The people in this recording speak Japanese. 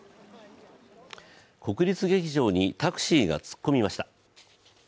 国立劇場にタクシーが突っ込みました。